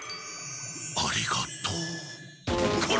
ありがとう。こら！